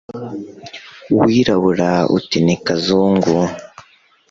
uwirabura uti ni kazungu